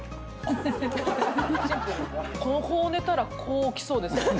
こう寝たらこう起きそうですよね。